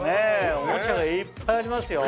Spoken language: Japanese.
おもちゃがいっぱいありますよ。